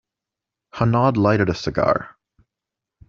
Hanaud lighted a cigar.